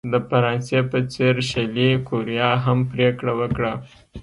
د فرانسې په څېر شلي کوریا هم پرېکړه وکړه.